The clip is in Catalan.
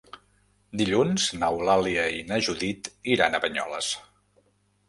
Dilluns n'Eulàlia i na Judit iran a Banyoles.